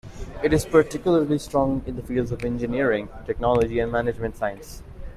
It is particularly strong in the fields of engineering, technology and management science.